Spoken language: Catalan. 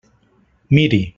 Miri!